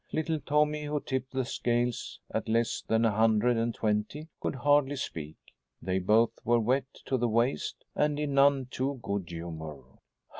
Little Tommy, who tipped the scales at less than a hundred and twenty, could hardly speak. They both were wet to the waist and in none too good humor.